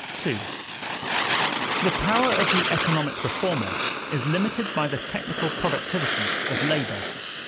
II The power of the economic reformer is limited by the technical productivity of labor.